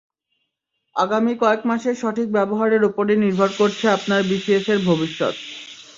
আগামী কয়েক মাসের সঠিক ব্যবহারের ওপরই নির্ভর করছে আপনার বিসিএসের ভবিষ্যৎ।